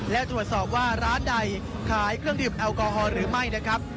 และตรวจสอบว่าร้านใดขายเครื่องดื่มแอลกอฮอล์หรือไม่นะครับ